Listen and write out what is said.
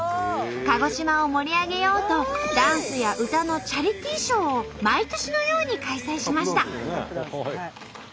鹿児島を盛り上げようとダンスや歌のチャリティーショーを毎年のように開催しました。